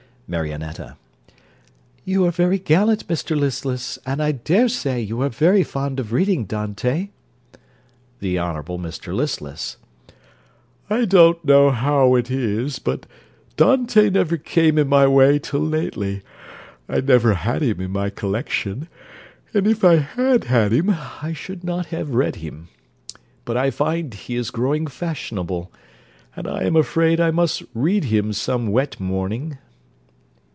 MARIONETTA You are very gallant, Mr Listless; and I dare say you are very fond of reading Dante. THE HONOURABLE MR LISTLESS I don't know how it is, but Dante never came in my way till lately. I never had him in my collection, and if I had had him I should not have read him. But I find he is growing fashionable, and I am afraid I must read him some wet morning.